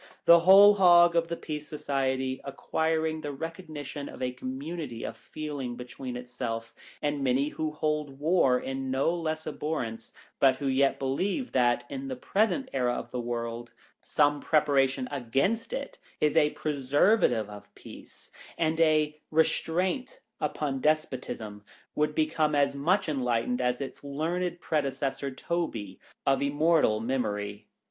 The Whole Hog of the Peace Society, acquiring the recognition of a community of feeling be tween itself and many who hold war in no less abhorrence, but who yet believe, that, in the present era of the world, some preparation against it is a preservative of peace and a restraint upon despotism, would become as much enlightened as its learned predecessor Toby, of Immortal Memory.